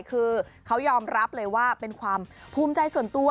คือเขายอมรับเลยว่าเป็นความภูมิใจส่วนตัว